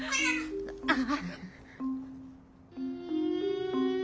ああ。